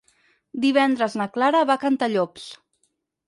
Divendres na Clara va a Cantallops.